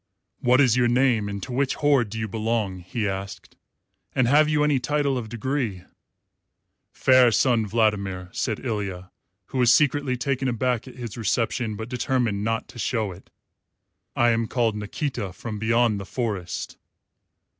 "What is your name and to which horde do you belong?" he asked; "and have you any title of degree?" "Fair Sun Vladimir," said Ilya, who was secretly taken aback at his reception, but determined not to show it, "I am called Nikita from beyond the Forest."